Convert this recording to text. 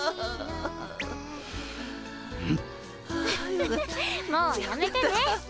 ウフフッもうやめてね。